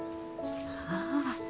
ああ。